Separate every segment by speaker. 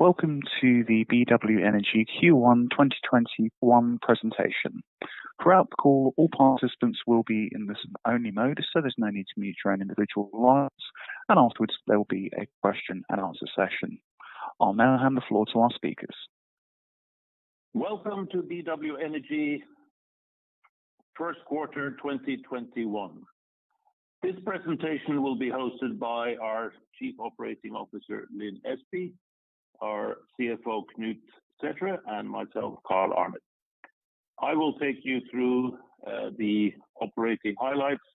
Speaker 1: Welcome to the BW Energy Q1 2021 presentation. Throughout the call, all participants will be in listen-only mode, so there's no need to mute your own individual lines, and afterwards there will be a question-and-answer session. I'll now hand the floor to our speakers.
Speaker 2: Welcome to BW Energy Q1 2021. This presentation will be hosted by our Chief Operating Officer, Lin Espey, our CFO, Knut Sæthre, and myself, Carl Arnet. I will take you through the operating highlights.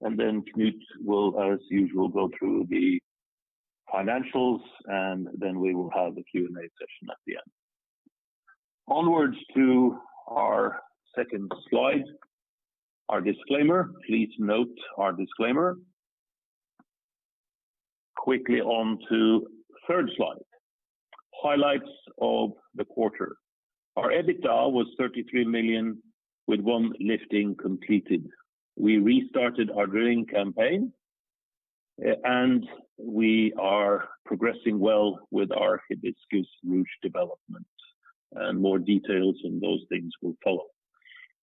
Speaker 2: Then Knut will, as usual, go through the financials. Then we will have a Q&A session at the end. Onwards to our second slide, our disclaimer. Please note our disclaimer. Quickly on to third slide. Highlights of the quarter. Our EBITDA was $33 million with one lifting completed. We restarted our drilling campaign. We are progressing well with our Hibiscus Ruche development. More details on those things will follow.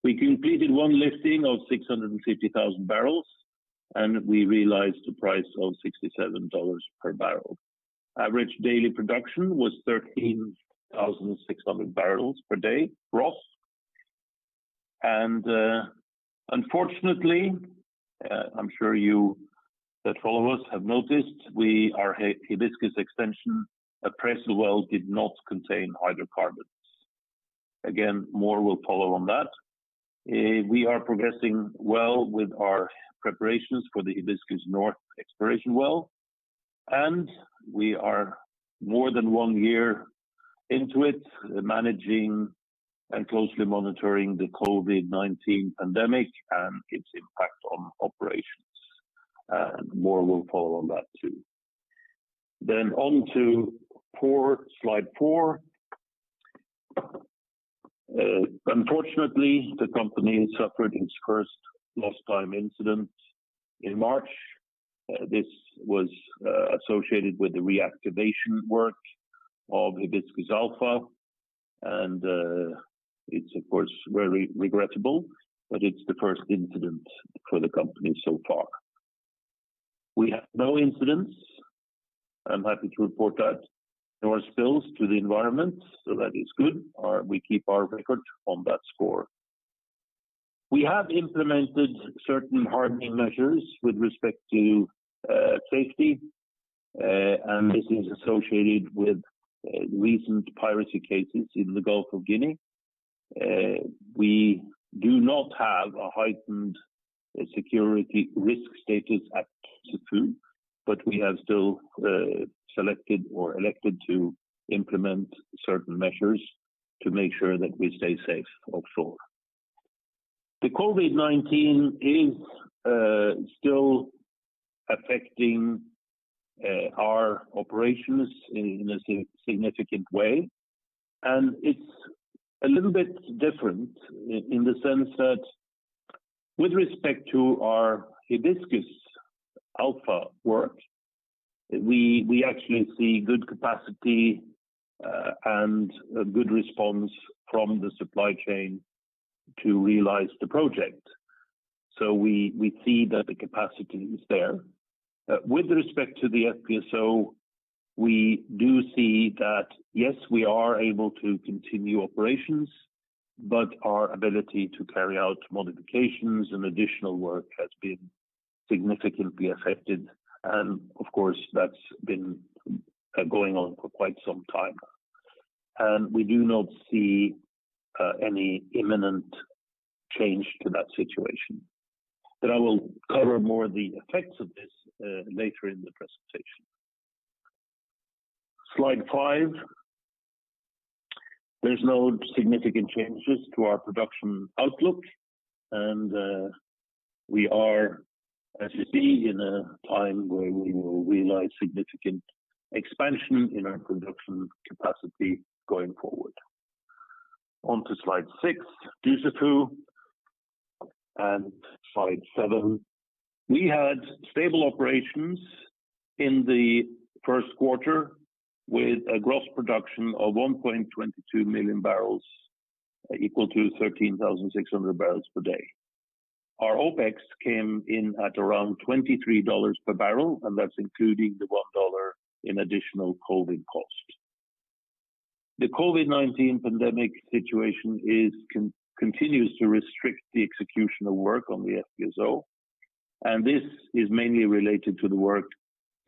Speaker 2: We completed one lifting of 650 kbbl. We realized a price of $67 per barrel. Average daily production was 13.6 kbopd gross. Unfortunately, I'm sure you, as followers have noticed, our Hibiscus Extension appraisal well did not contain hydrocarbons. Again, more will follow on that. We are progressing well with our preparations for the Hibiscus North exploration well, and we are more than one year into it, managing and closely monitoring the COVID-19 pandemic and its impact on operations. More will follow on that too. On to slide 4. Unfortunately, the company suffered its first lost time incident in March. This was associated with the reactivation work of Hibiscus Alpha. It is of course very regrettable, but it is the first incident for the company so far. We had no incidents, I am happy to report that, nor spills to the environment. That is good. We keep our record on that score. We have implemented certain hardening measures with respect to safety. This is associated with recent piracy cases in the Gulf of Guinea. We do not have a heightened security risk status at Dussafu, but we have still selected or elected to implement certain measures to make sure that we stay safe offshore. The COVID-19 is still affecting our operations in a significant way, and it's a little bit different in the sense that with respect to our Hibiscus Alpha work, we actually see good capacity, and a good response from the supply chain to realize the project. We see that the capacity is there. With respect to the FPSO, we do see that, yes, we are able to continue operations, but our ability to carry out modifications and additional work has been significantly affected. Of course, that's been going on for quite some time, and we do not see any imminent change to that situation. I will cover more of the effects of this later in the presentation. Slide 5. There's no significant changes to our production outlook, and we are, as you see, in a time where we will realize significant expansion in our production capacity going forward. On to slide 6, Dussafu, and slide 7. We had stable operations in the Q1 with a gross production of 1.22 MMbbl, equal to 13.6 kbopd. Our OPEX came in at around $23 per barrel, and that's including the $1 in additional COVID cost. The COVID-19 pandemic situation continues to restrict the execution of work on the FPSO, and this is mainly related to the work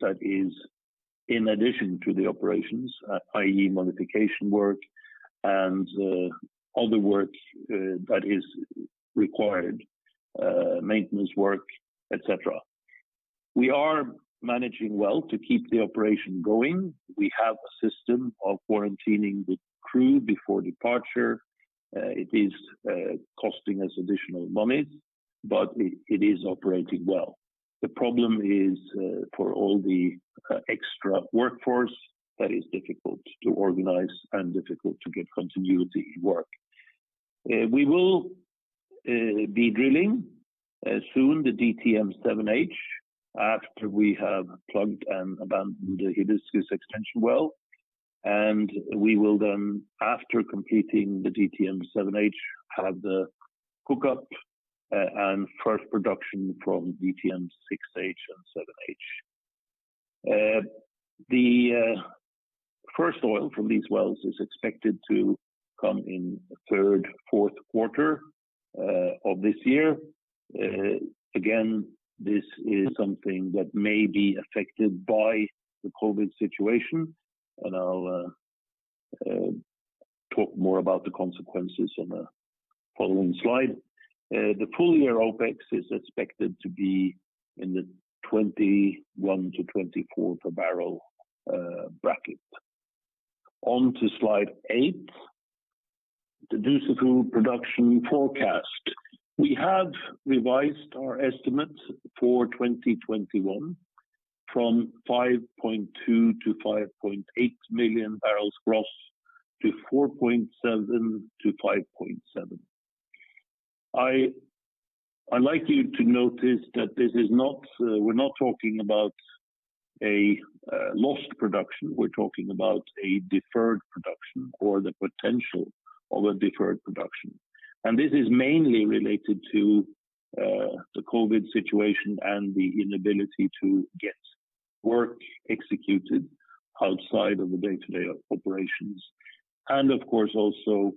Speaker 2: that is in addition to the operations, i.e. modification work and other work that is required, maintenance work, et cetera. We are managing well to keep the operation going. We have a system of quarantining the crew before departure. It is costing us additional money, but it is operating well. The problem is for all the extra workforce, that is difficult to organize and difficult to get continuity in work. We will be drilling soon the DTM-7H after we have plugged and abandoned the Hibiscus extension well. We will then, after completing the DTM-7H, have the hookup and first production from DTM-6H and 7H. The first oil from these wells is expected to come in the Q3, Q4 of this year. Again, this is something that may be affected by the COVID situation, and I'll talk more about the consequences on a following slide. The full-year OpEx is expected to be in the $21-$24 per barrel bracket. On to slide 8, the Dussafu production forecast. We have revised our estimate for 2021 from 5.2 MMbbl-5.8 MMbbl gross to 4.7 MMbbl-5.7 MMbbl. I'd like you to notice that we're not talking about a lost production, we're talking about a deferred production or the potential of a deferred production. This is mainly related to the COVID-19 situation and the inability to get work executed outside of the daily operations. Of course, also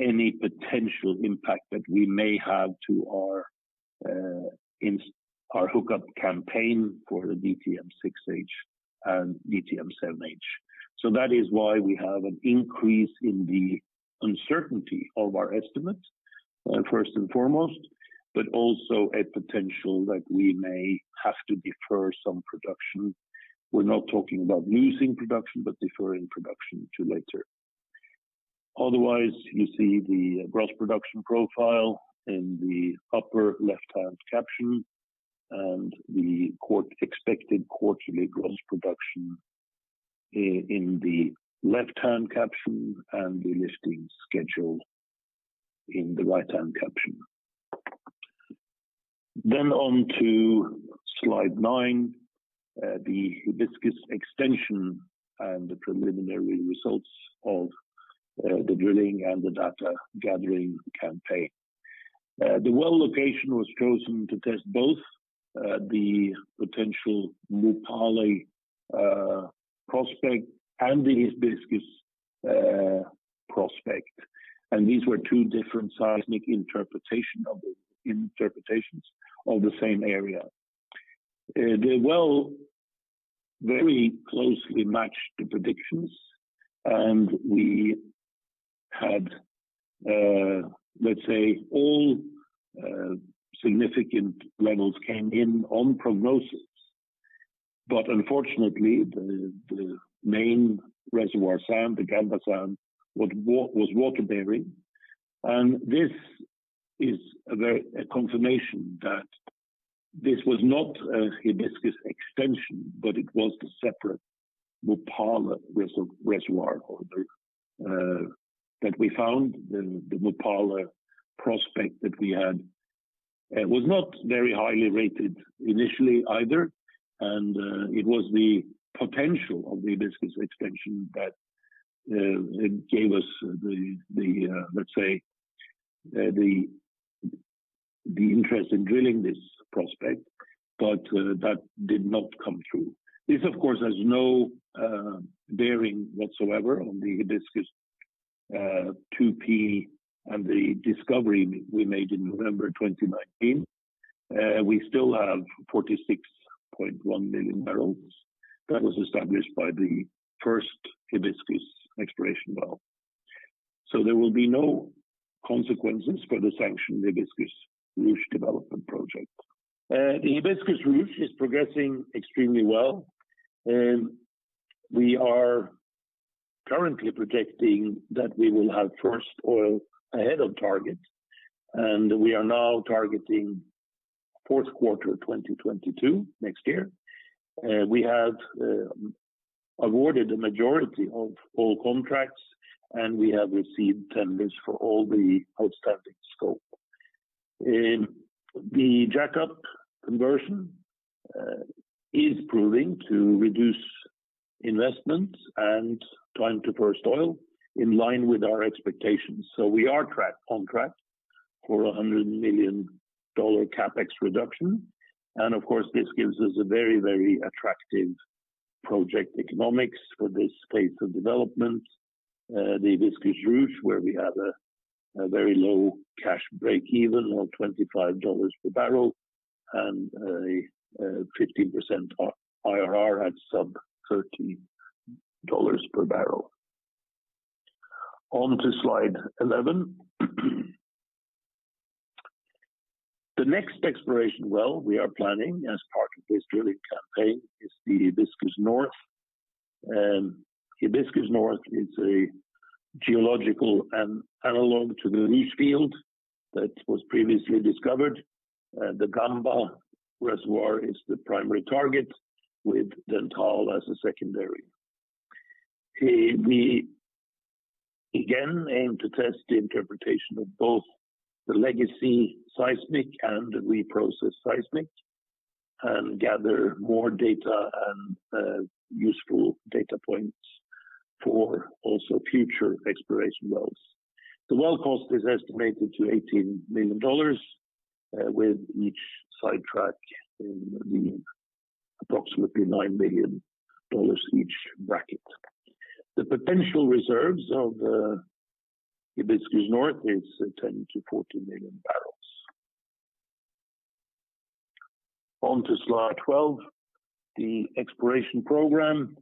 Speaker 2: any potential impact that we may have to our hookup campaign for the DTM-6H and DTM-7H. That is why we have an increase in the uncertainty of our estimate first and foremost, but also a potential that we may have to defer some production. We're not talking about losing production, but deferring production to later. Otherwise, you see the gross production profile in the upper left-hand caption, and the expected quarterly gross production in the left-hand caption, and the listing schedule in the right-hand caption. On to slide 9, the Hibiscus extension and the preliminary results of the drilling and the data gathering campaign. The well location was chosen to test both the potential Mopale prospect and the Hibiscus prospect, these were two different seismic interpretations of the same area. The well very closely matched the predictions, we had, let's say, all significant levels came in on prognosis. Unfortunately, the main reservoir sand, the Gamba sand, was water-bearing. This is a confirmation that this was not a Hibiscus extension, it was a separate Mopale reservoir that we found. The Mopale prospect that we had was not very highly rated initially either, it was the potential of the Hibiscus extension that gave us the interest in drilling this prospect, that did not come through. This, of course, has no bearing whatsoever on the Hibiscus 2P and the discovery we made in November 2019. We still have 46.1 MMbbl that was established by the first Hibiscus exploration well. There will be no consequences for the sanctioned Hibiscus Ruche development project. The Hibiscus Ruche is progressing extremely well. We are currently projecting that we will have first oil ahead of target, and we are now targeting Q4 2022, next year. We have awarded a majority of all contracts, and we have received tenders for all the outstanding scope. The jackup conversion is proving to reduce investments and time to first oil in line with our expectations. We are on track for $100 million CapEx reduction, and of course, this gives us a very attractive project economics for this phase of development, the Hibiscus Ruche, where we have a very low cash breakeven of $25 per barrel and a 15% IRR at sub-$30 per barrel. On to slide 11. The next exploration well we are planning as part of this drilling campaign is the Hibiscus North. Hibiscus North is a geological analog to the Ruche field that was previously discovered. The Gamba reservoir is the primary target with Dentale as a secondary. We again aim to test the interpretation of both the legacy seismic and the reprocessed seismic and gather more data and useful data points for also future exploration wells. The well cost is estimated to $18 million with each sidetrack being approximately $9 million each. The potential reserves of Hibiscus North is 10 MMbbl-14 MMbbl. On to slide 12, the exploration program.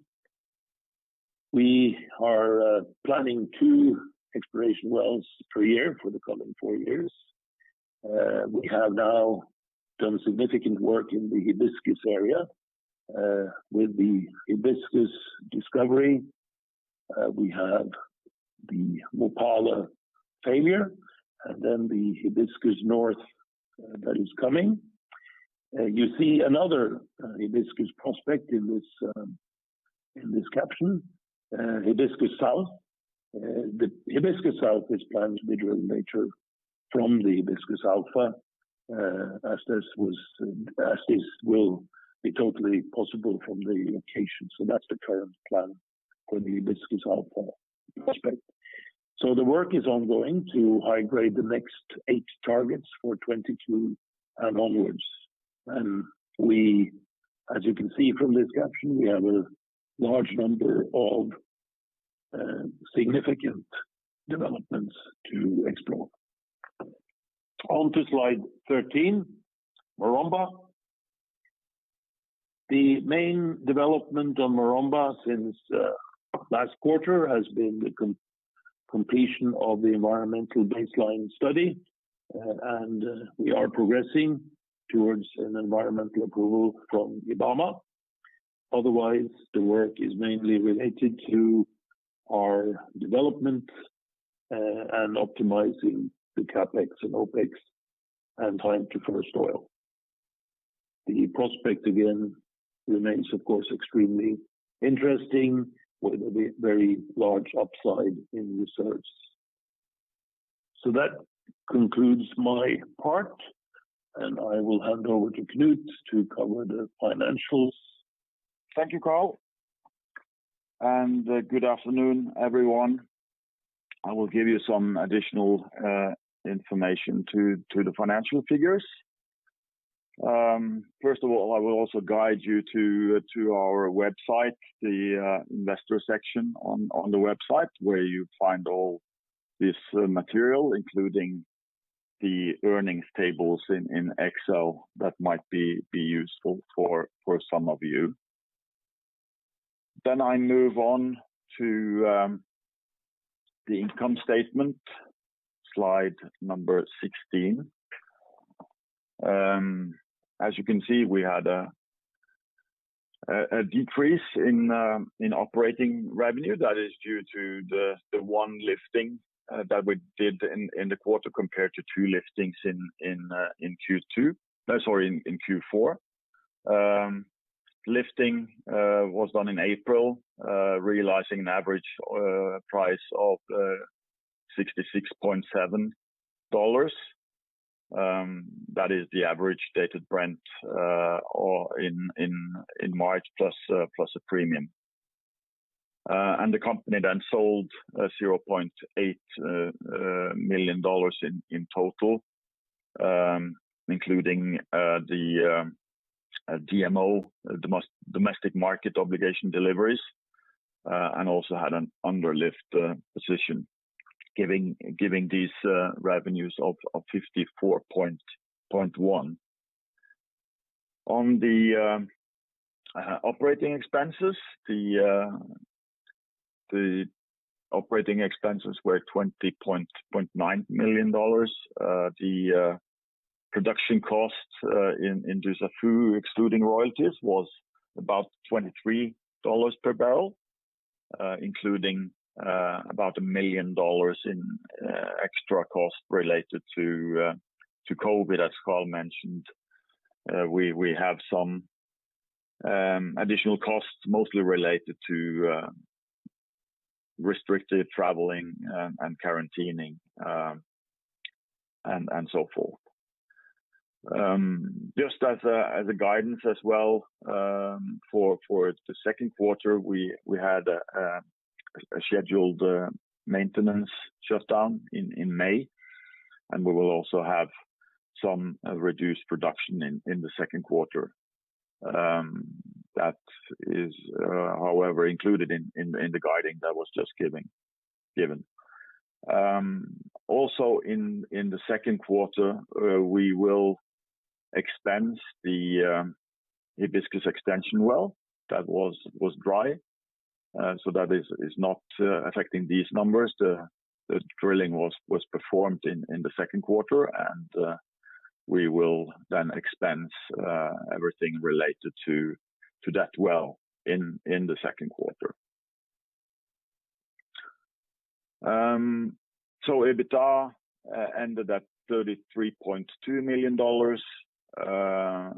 Speaker 2: We are planning two exploration wells per year for the coming four years. We have now done significant work in the Hibiscus area with the Hibiscus discovery. We have the Mopale failure, the Hibiscus North that is coming. You see another Hibiscus prospect in this caption, Hibiscus South. The Hibiscus South is planned to be drilled major from the Hibiscus Alpha, as this will be totally possible from the location. That's the current plan for the Hibiscus Alpha prospect. The work is ongoing to high-grade the next eight targets for 2022 and onwards. As you can see from this caption, we have a large number of significant developments to explore. On to slide 13, Maromba. The main development on Maromba since last quarter has been the completion of the environmental baseline study. We are progressing towards an environmental approval from the government. Otherwise, the work is mainly related to our development and optimizing the CapEx and OPEX and time to first oil. The prospect again remains, of course, extremely interesting with a very large upside in reserves. That concludes my part, and I will hand over to Knut to cover the financials.
Speaker 3: Thank you, Carl, and good afternoon, everyone. I will give you some additional information to the financial figures. First of all, I will also guide you to our website, the investor section on the website where you find all this material, including the earnings tables in Excel that might be useful for some of you. I move on to the income statement, slide number 16. As you can see, we had a decrease in operating revenue. That is due to the one lifting that we did in the quarter compared to two liftings in Q4. Lifting was done in April, realizing an average price of $66.70. That is the average dated Brent in March plus a premium. The company then sold 0.8 MMbbl in total, including the DMO, domestic market obligation deliveries, and also had an underlift position, giving these revenues of $54.1. On the operating expenses, the operating expenses were $20.9 million. The production cost in Dussafu excluding royalties was about $23 per barrel, including about a million dollars in extra costs related to COVID-19, as Carl mentioned. We have some additional costs mostly related to restricted traveling and quarantining, and so forth. Just as a guidance as well for the Q2, we had a scheduled maintenance shutdown in May, and we will also have some reduced production in the Q2. That is, however, included in the guiding that was just given. Also in the Q2, we will expense the Hibiscus extension well that was dry. That is not affecting these numbers. The drilling was performed in the Q2, and we will then expense everything related to that well in the Q2. EBITDA ended at $33.2 million.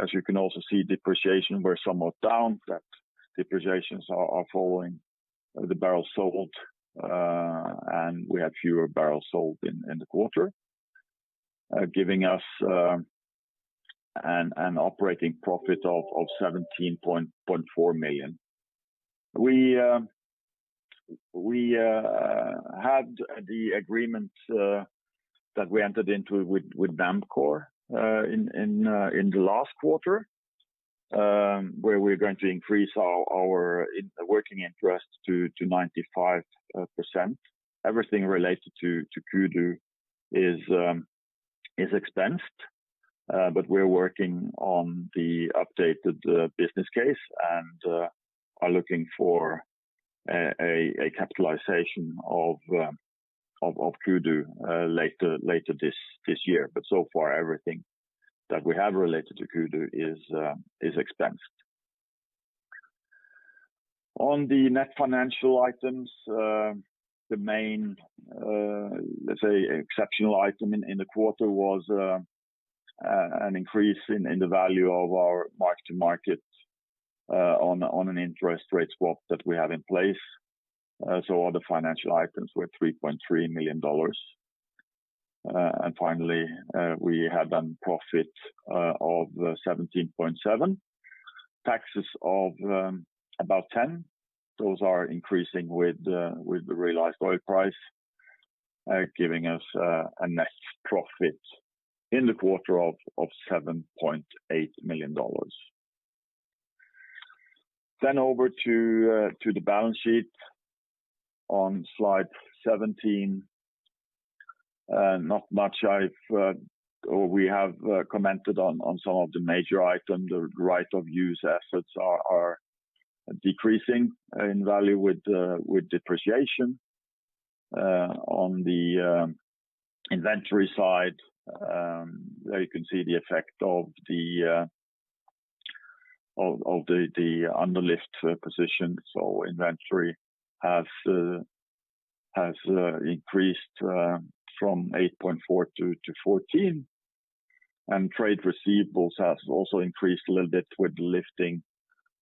Speaker 3: As you can also see, depreciation were somewhat down. Depreciations are following the barrels sold, and we have fewer barrels sold in the quarter, giving us an operating profit of $17.4 million. We had the agreement that we entered into with NAMCOR in the last quarter, where we're going to increase our working interest to 95%. Everything related to Kudu is expensed, we are working on the updated business case and are looking for a capitalization of Kudu later this year. So far, everything that we have related to Kudu is expensed. On the net financial items, the main exceptional item in the quarter was an increase in the value of our mark-to-market on an interest rate swap that we had in place. Other financial items were $3.3 million. Finally, we had then profit of $17.7 million, taxes of about $10 million. Those are increasing with the realized oil price, giving us a net profit in the quarter of $7.8 million. Over to the balance sheet on slide 17. Not much we have commented on some of the major items. The right of use assets are decreasing in value with depreciation. On the inventory side, you can see the effect of the underlift position. Inventory has increased from $8.4 to $14, and trade receivables has also increased a little bit with the lifting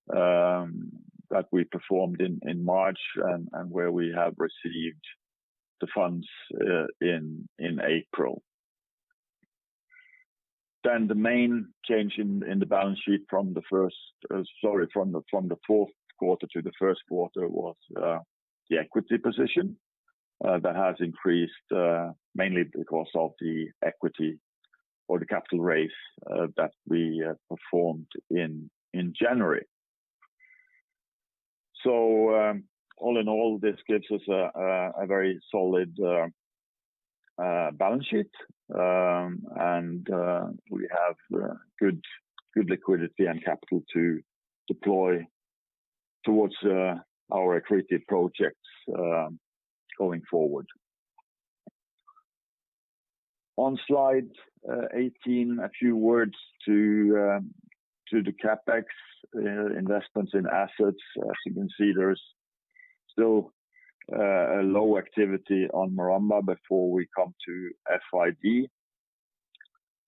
Speaker 3: that we performed in March and where we have received the funds in April. The main change in the balance sheet from the Q4 to the Q1 was the equity position. That has increased mainly because of the equity or the capital raise that we performed in January. All in all, this gives us a very solid balance sheet, and we have good liquidity and capital to deploy towards our accretive projects going forward. On slide 18, a few words to the CapEx investments in assets. As you can see, there's still a low activity on Maromba before we come to FID.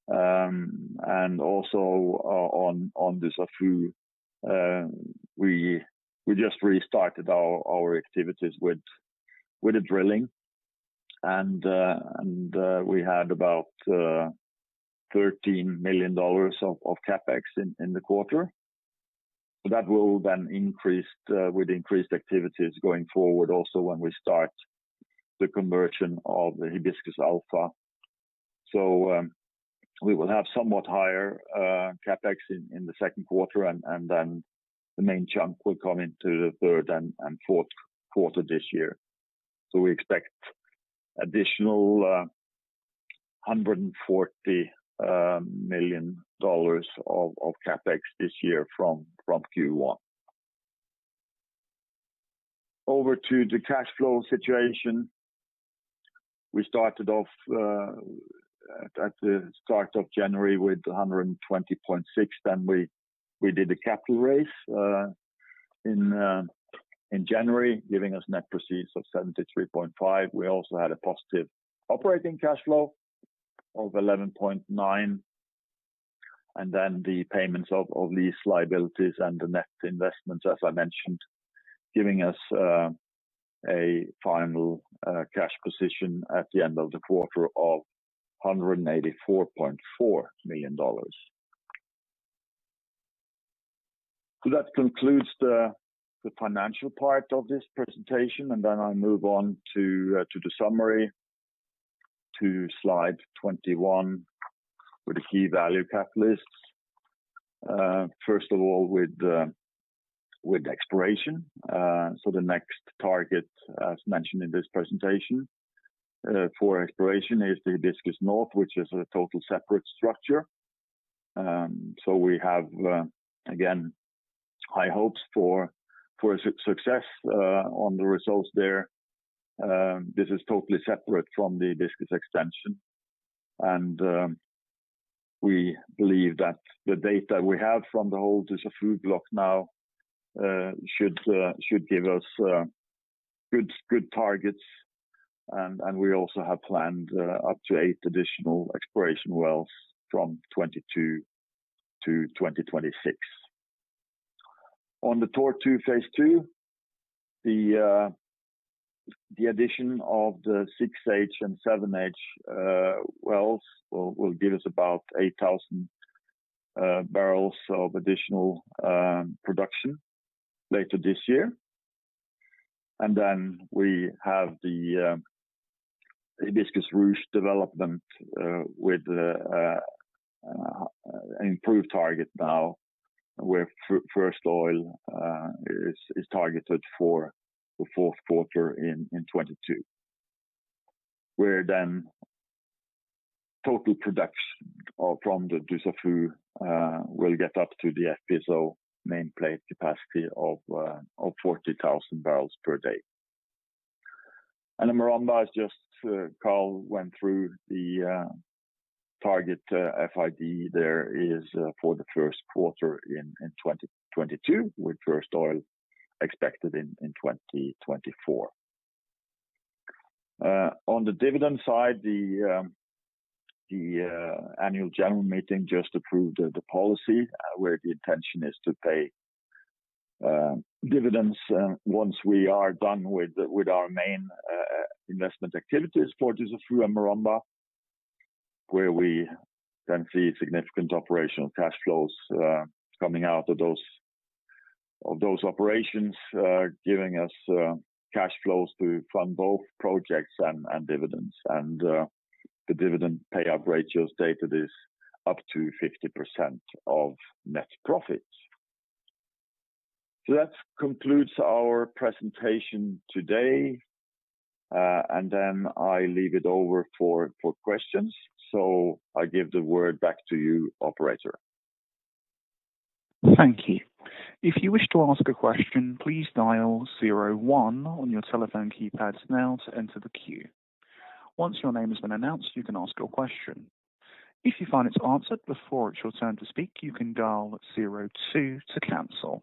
Speaker 3: Also on Dussafu, we just restarted our activities with the drilling and we had about $13 million of CapEx in the quarter. That will then increase with increased activities going forward also when we start the conversion of Hibiscus Alpha. We will have somewhat higher CapEx in the Q2, and then the main chunk will come into the Q3 and Q4 this year. We expect additional $140 million of CapEx this year from Q1. Over to the cash flow situation. We started off at the start of January with $120.6. We did a capital raise in January, giving us net proceeds of $73.5 million. We also had a positive operating cash flow of $11.9 million, the payments of lease liabilities and the net investments, as I mentioned, giving us a final cash position at the end of the quarter of $184.4 million. That concludes the financial part of this presentation, I move on to the summary, to slide 21, with the key value catalysts. First of all, with exploration. The next target as mentioned in this presentation for exploration is the Hibiscus North, which is a total separate structure. We have, again, high hopes for success on the results there. This is totally separate from the Hibiscus extension. We believe that the data we have from the whole Dussafu block now should give us good targets. We also have planned up to eight additional exploration wells from 2022 to 2026. On the Tortue Phase 2, the addition of the 6H and 7H wells will give us about 8 kbbl of additional production later this year. We have the Hibiscus Ruche development with an improved target now, where first oil is targeted for the Q4 in 2022, where then total production from the Dussafu will get up to the FPSO nameplate capacity of 40 kbopd. Maromba, as just Carl went through, the target FID there is for the Q1 in 2022, with first oil expected in 2024. On the dividend side, the annual general meeting just approved the policy where the intention is to pay dividends once we are done with our main investment activities for Dussafu and Maromba, where we then see significant operational cash flows coming out of those operations giving us cash flows to fund both projects and dividends. The dividend payout ratio stated is up to 50% of net profits. That concludes our presentation today, and then I leave it over for questions. I give the word back to you, operator.
Speaker 1: Thank you. If you wish to ask a question, please dial 01 on your telephone keypads now to enter the queue. Once your name has been announced, you can ask your question. If you find it's answered before it's your turn to speak, you can dial 02 to cancel.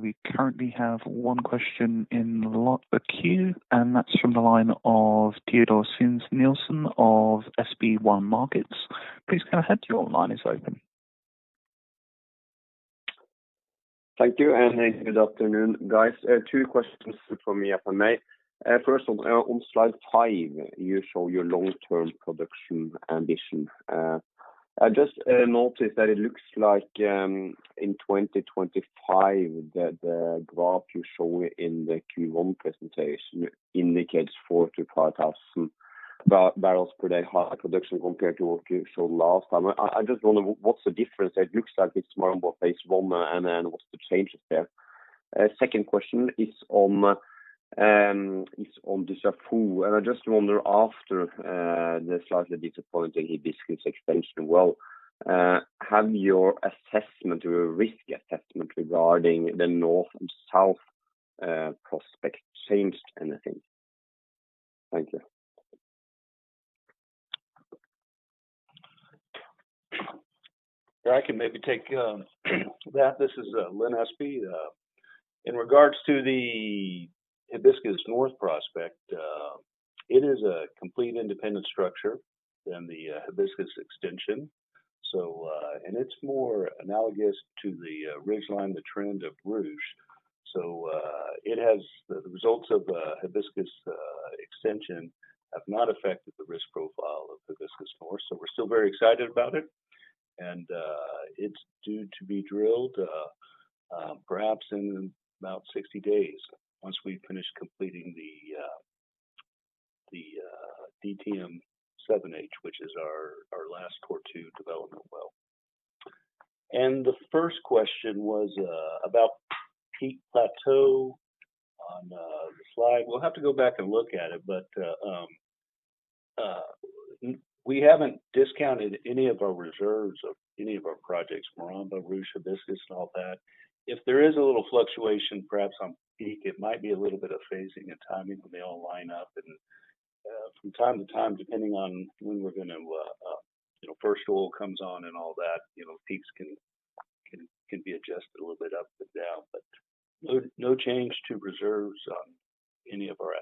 Speaker 1: We currently have one question in the queue, and that's from the line of Teodor Sveen-Nilsen of SpareBank 1 Markets. Please go ahead, your line is open.
Speaker 4: Thank you, and good afternoon, guys. Two questions from me, if I may. First, on slide 5, you show your long-term production ambition. I just noticed that it looks like in 2025 that the graph you showed in the Q1 presentation indicates 4 kbopd-5 kbopd higher production compared to what you showed last time. I just wonder, what's the difference? It looks like it's Maromba Phase 1. What's the changes there? Second question is on Dussafu. I just wonder after the slightly disappointing Hibiscus extension well, have your risk assessment regarding the north and south prospect changed anything? Thank you.
Speaker 5: I can maybe take that. This is Lin Espey. In regards to the Hibiscus North prospect, it is a complete independent structure than the Hibiscus extension. It's more analogous to the ridgeline, the trend of Ruche. The results of the Hibiscus extension have not affected the risk profile of Hibiscus North. We're still very excited about it, and it's due to be drilled perhaps in about 60 days once we finish completing the DTM-7H, which is our last Tortue 2 development well. The first question was about peak plateau on the slide. We'll have to go back and look at it, but we haven't discounted any of our reserves of any of our projects, Maromba, Ruche, Hibiscus, and all that. If there is a little fluctuation, perhaps on peak, it might be a little bit of phasing and timing, but they all line up. From time to time, depending on when we're going to First oil comes on and all that, peaks can be adjusted a little bit up and down, but no change to reserves on any of our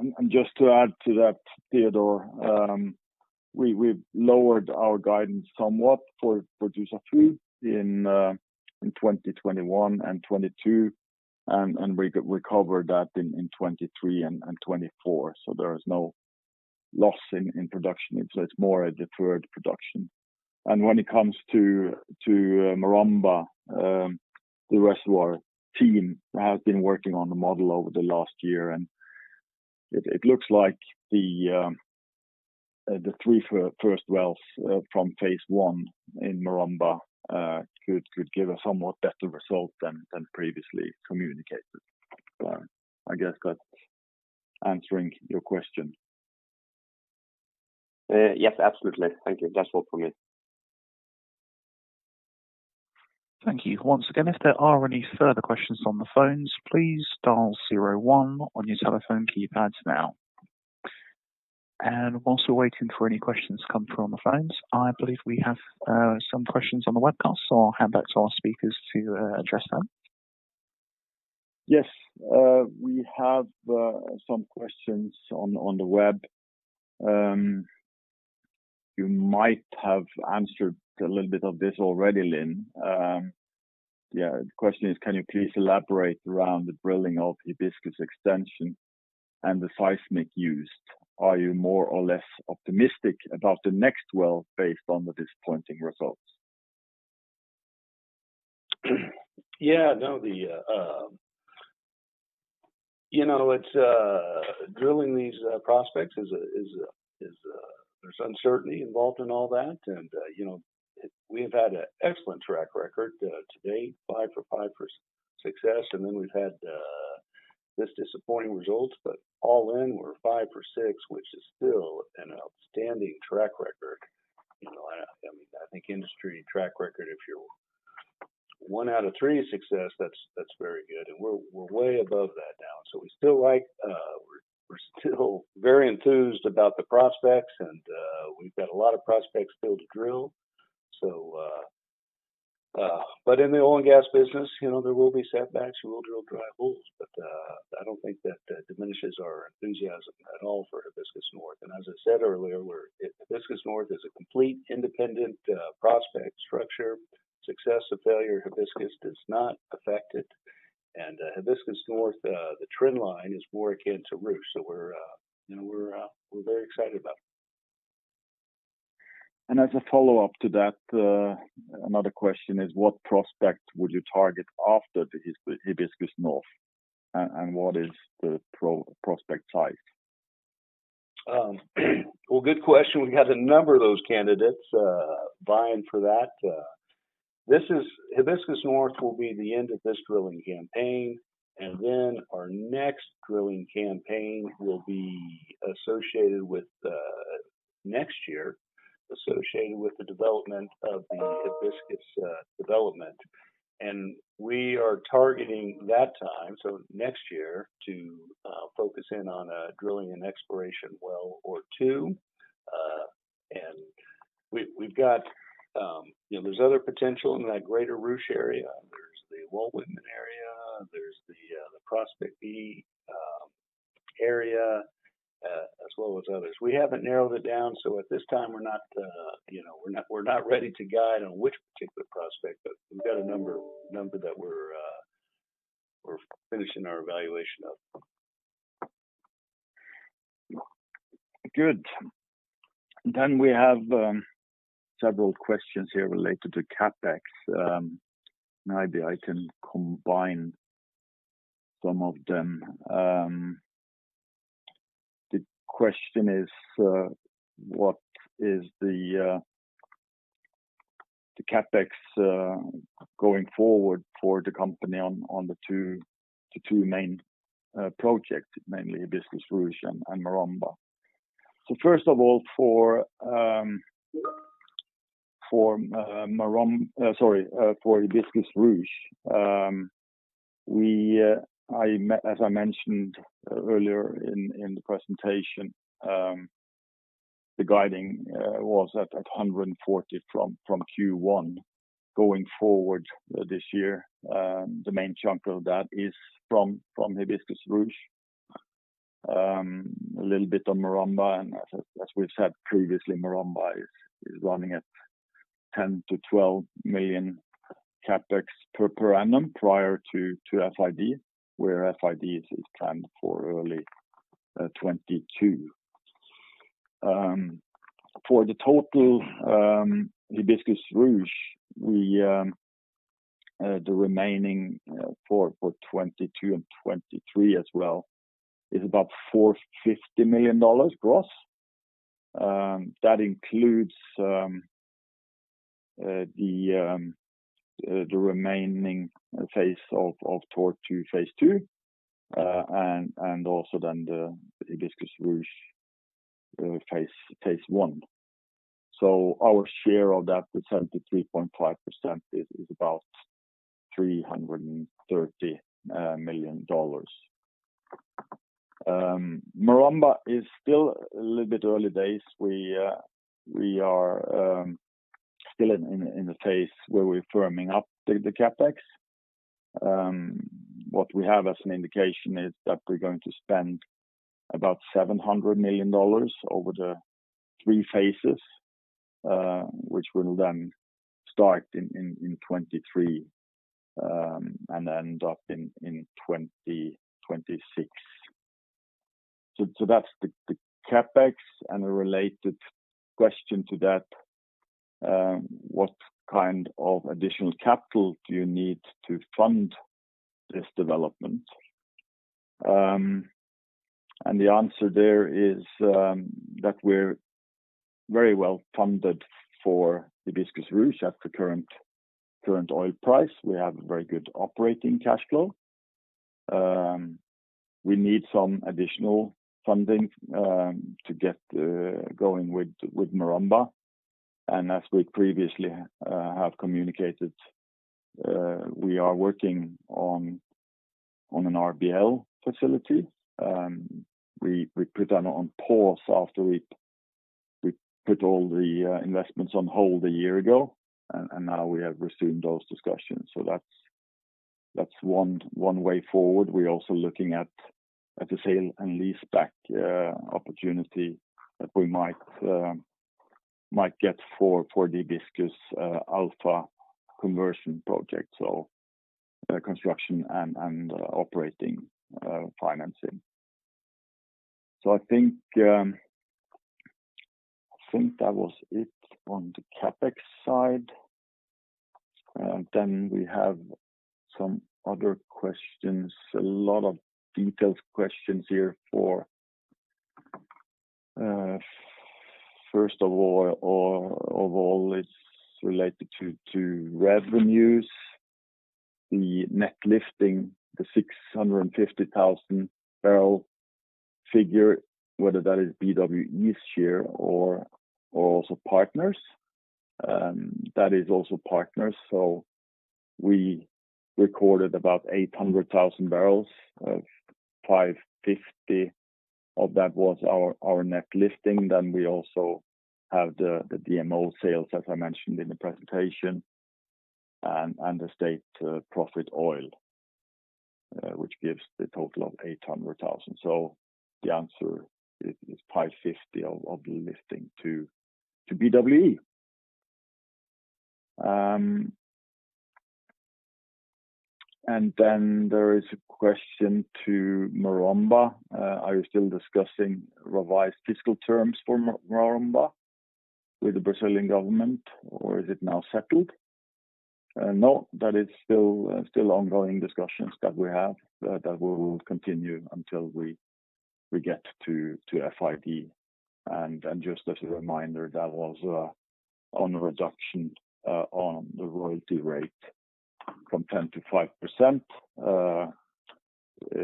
Speaker 5: assets.
Speaker 3: Just to add to that, Teodor, we've lowered our guidance somewhat for Dussafu in 2021 and 2022, We recovered that in 2023 and 2024. There is no loss in production. It's more a deferred production. When it comes to Maromba, the rest of our team has been working on the model over the last year, and it looks like the three first wells from Phase 1 in Maromba could give a somewhat better result than previously communicated. I guess that's answering your question.
Speaker 4: Yes, absolutely. Thank you. That's all from me.
Speaker 1: Thank you. Once again, if there are any further questions on the phones, please dial 01 on your telephone keypads now. While we're waiting for any questions to come through on the phones, I believe we have some questions on the webcast, I'll hand back to our speakers to address that.
Speaker 3: Yes. We have some questions on the web. You might have answered a little bit of this already, Lin. Yeah. The question is, "Can you please elaborate around the drilling of the Hibiscus extension and the seismic used? Are you more or less optimistic about the next well based on the disappointing results?
Speaker 5: Yeah. No. Drilling these prospects, there's uncertainty involved in all that. We've had an excellent track record to date, 5-for-5 for success, and then we've had this disappointing result. All in, we're 5-for-6, which is still an outstanding track record. I think industry track record, if you will. 1-in-3 success, that's very good, and we're way above that now. We're still very enthused about the prospects, and we've got a lot of prospects still to drill. In the oil and gas business, there will be setbacks. You will drill dry holes. I don't think that diminishes our enthusiasm at all for Hibiscus North. As I said earlier, Hibiscus North is a complete independent prospect structure. Success or failure of Hibiscus does not affect it. Hibiscus North, the trend line is more akin to Ruche. We're very excited about it.
Speaker 3: As a follow-up to that, another question is, what prospect would you target after the Hibiscus North, and what is the prospect like?
Speaker 5: Well, good question. We have a number of those candidates vying for that. Hibiscus North will be the end of this drilling campaign, and then our next drilling campaign will be associated with next year, associated with the development of the Hibiscus development. We are targeting that time, so next year, to focus in on drilling an exploration well or two. There's other potential in that greater Ruche area. There's the Walt Whitman area, there's the Prospect B area, as well as others. We haven't narrowed it down, so at this time we're not ready to guide on which particular prospect, but we've got a number that we're finishing our evaluation of.
Speaker 3: Good. We have several questions here related to CapEx. Maybe I can combine some of them. The question is, what is the CapEx going forward for the company on the two main projects, mainly Hibiscus Ruche and Maromba? First of all, for Hibiscus Ruche, as I mentioned earlier in the presentation, the guiding was at $140 million from Q1 going forward this year. The main chunk of that is from Hibiscus Ruche. A little bit on Maromba, and as we've said previously, Maromba is running at $10 million-$12 million CapEx per annum prior to FID, where FID is planned for early 2022. For the total Hibiscus Ruche, the remaining for 2022 and 2023 as well is about $450 million gross. That includes the remaining phase of Tortue Phase 2, and also the Hibiscus/Ruche Phase 1. Our share of that, the 73.5%, is about $330 million. Maromba is still a little bit early days. We are still in the phase where we're firming up the CapEx. What we have as an indication is that we're going to spend $700 million over the three phases, which will then start in 2023, and end up in 2026. That's the CapEx, and a related question to that, what kind of additional capital do you need to fund this development? The answer there is that we're very well funded for Hibiscus Ruche at the current oil price. We have a very good operating cash flow. We need some additional funding to get going with Maromba. As we previously have communicated, we are working on an RBL facility. We put that on pause after we put all the investments on hold a year ago, and now we have resumed those discussions. That's one way forward. We're also looking at a sale and leaseback opportunity that we might get for the Hibiscus Alpha conversion project, so the construction and operating financing. I think that was it on the CapEx side. We have some other questions, a lot of detailed questions here. First of all, it's related to revenues, the net lifting, the 650 kbbl figure, whether that is BWE's share or also partners. That is also partners. We recorded about 800 kbbl. 550 of that was our net lifting. We also have the DMO sales, as I mentioned in the presentation, and the state's profit oil, which gives the total of 800 kbbl. The answer is 550 of the lifting to BWE. There is a question to Maromba. Are you still discussing revised fiscal terms for Maromba with the Brazilian government, or is it now settled? No, that is still ongoing discussions that we have, that we will continue until we get to FID. Just as a reminder, that was on a reduction on the royalty rate from 10% to 5%,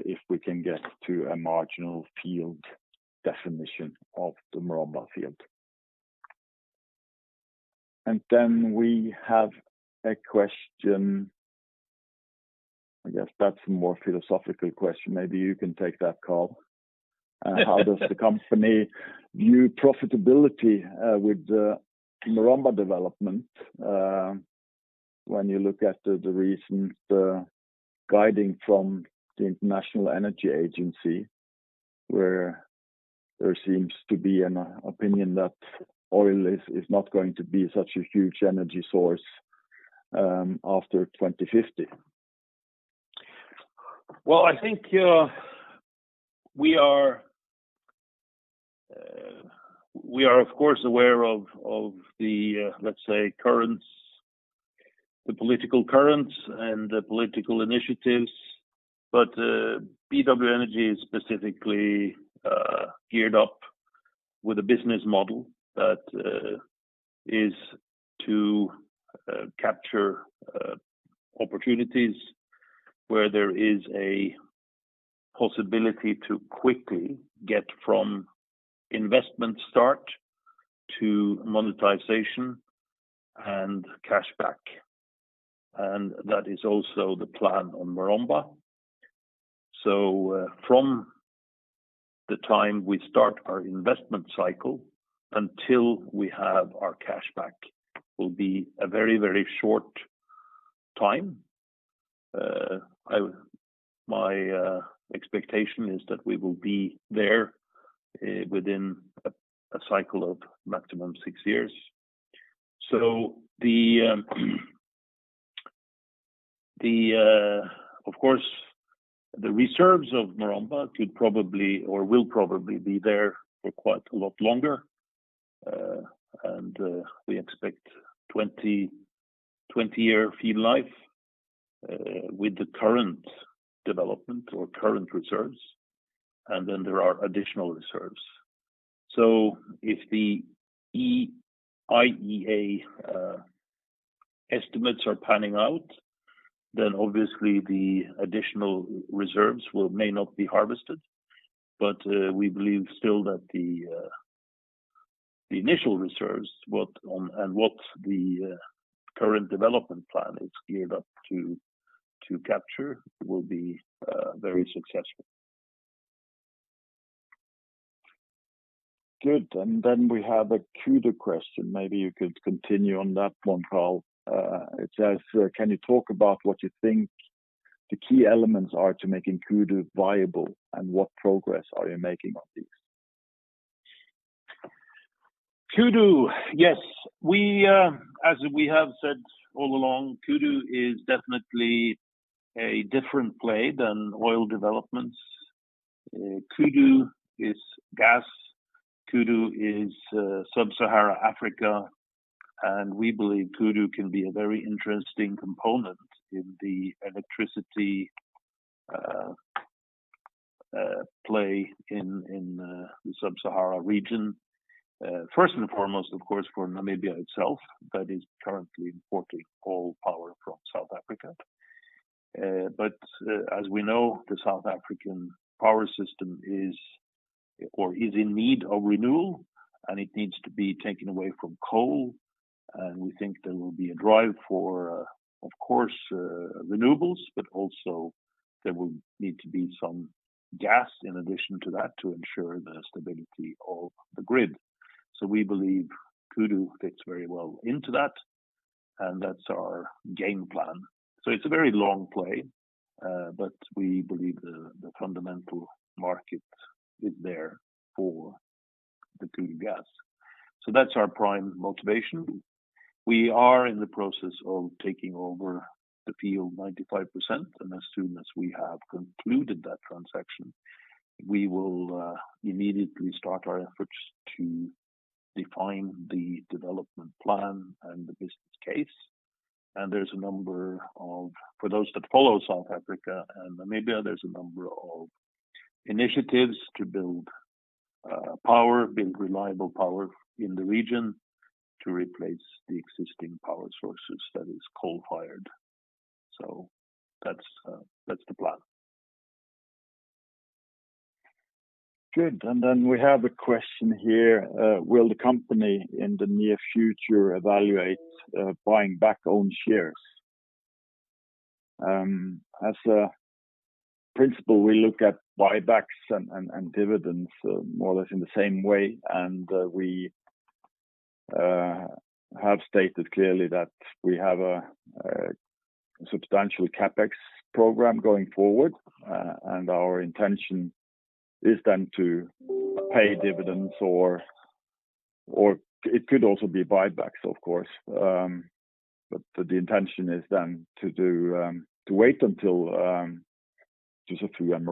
Speaker 3: if we can get to a marginal field definition of the Maromba field. We have a question, I guess that's a more philosophical question. Maybe you can take that, Carl. How does the company view profitability with the Maromba development when you look at the recent guiding from the International Energy Agency, where there seems to be an opinion that oil is not going to be such a huge energy source after 2050?
Speaker 2: Well, I think we are of course aware of the, let's say, political currents and the political initiatives. BW Energy is specifically geared up with a business model that is to capture opportunities where there is a possibility to quickly get from investment start to monetization and cash back. That is also the plan on Maromba. From the time we start our investment cycle until we have our cash back will be a very short time. My expectation is that we will be there within a cycle of maximum six years. Of course, the reserves of Maromba could probably, or will probably be there for quite a lot longer. We expect 20-year field life with the current development or current reserves, and then there are additional reserves. If the IEA estimates are panning out, then obviously the additional reserves may not be harvested. We believe still that the initial reserves and what the current development plan is geared up to capture will be very successful.
Speaker 3: Good. We have a Kudu question. Maybe you could continue on that one, Carl. It says, can you talk about what you think the key elements are to making Kudu viable, and what progress are you making on these?
Speaker 2: Kudu, yes. As we have said all along, Kudu is definitely a different play than oil developments. Kudu is gas. Kudu is sub-Sahara Africa, and we believe Kudu can be a very interesting component in the electricity play in the sub-Sahara region. First and foremost, of course, for Namibia itself, that is currently importing all power from South Africa. As we know, the South African power system is in need of renewal, and it needs to be taken away from coal. We think there will be a drive for, of course, renewables, but also there will need to be some gas in addition to that to ensure the stability of the grid. We believe Kudu fits very well into that, and that's our game plan. It's a very long play, but we believe the fundamental market is there for the Kudu gas. That's our prime motivation. We are in the process of taking over the field 95%, and as soon as we have concluded that transaction, we will immediately start our efforts to define the development plan and the business case. For those that follow South Africa and Namibia, there's a number of initiatives to build reliable power in the region to replace the existing power sources that is coal-fired. That's the plan.
Speaker 3: Good. We have a question here. Will the company in the near future evaluate buying back own shares? As a principle, we look at buybacks and dividends more or less in the same way, and we have stated clearly that we have a substantial CapEx program going forward, and our intention is then to pay dividends or it could also be buybacks, of course. The intention is then to wait until just a few years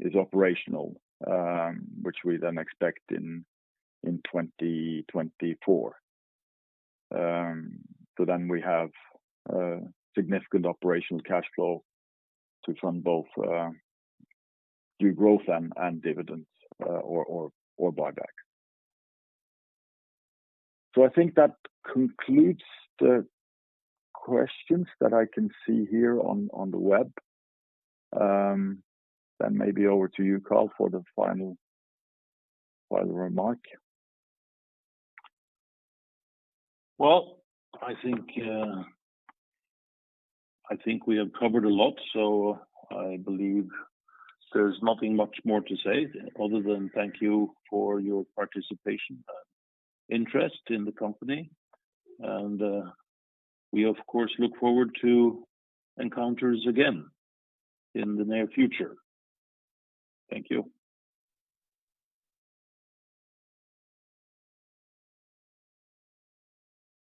Speaker 3: is operational which we then expect in 2024. We have significant operational cash flow to fund both new growth and dividends or buyback. I think that concludes the questions that I can see here on the web. Maybe over to you, Carl, for the final remark.
Speaker 2: I think we have covered a lot, so I believe there is nothing much more to say other than thank you for your participation and interest in the company. We, of course, look forward to encounters again in the near future. Thank you.